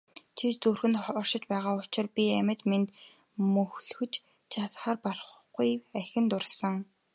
Чи зүрхэнд оршиж байгаа учир би амьд мэнд мөлхөж чадахаар барахгүй ахин дурласан.